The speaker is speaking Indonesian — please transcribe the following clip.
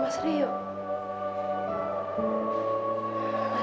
mas kevin suaminya belungkanya